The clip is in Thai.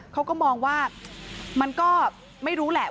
เขาก็มองว่ามันก็ไม่รู้แหละ